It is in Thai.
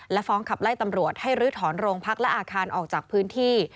และฟ้องขับไล่ตำรวจให้ลื้อถอนโรงพักและอาคารออกจากพื้นที่